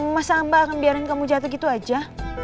masa mbak akan biarin kamu jatuh gitu aja